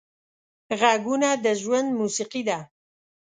غږونه د ژوند موسیقي ده